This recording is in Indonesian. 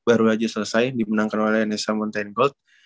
itu aja selesai dimenangkan oleh nsh mountain gold